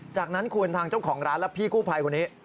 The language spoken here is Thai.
จากนั้นคุณทางเจ้าของร้านและพี่กู้ภัยคนนี้